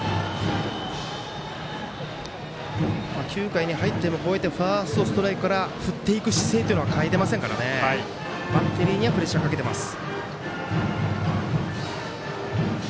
９回に入ってもファーストストライクから振っていく姿勢というのは変えてませんからバッテリーにはプレッシャーかけています。